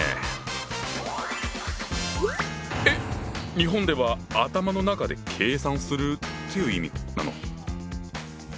日本では「頭の中で計算する」という意味なの？